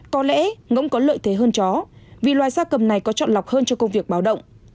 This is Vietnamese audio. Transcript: có lẽ ngỗng có lợi thế hơn chó vì loài gia cầm này có chọn lọc hơn cho công việc báo động